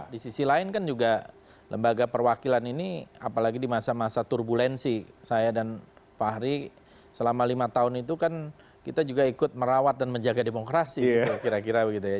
di sisi lain kan juga lembaga perwakilan ini apalagi di masa masa turbulensi saya dan fahri selama lima tahun itu kan kita juga ikut merawat dan menjaga demokrasi gitu kira kira begitu ya